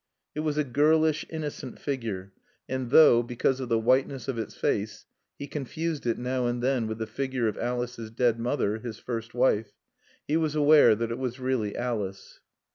It was a girlish, innocent figure, and though, because of the whiteness of its face, he confused it now and then with the figure of Alice's dead mother, his first wife, he was aware that it was really Alice.